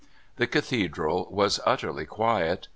The Cathedral was utterly quiet.